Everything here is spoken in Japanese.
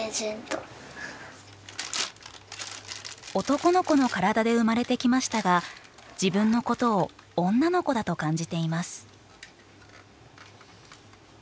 男の子の体で生まれてきましたが自分のことを女の子だと感じています。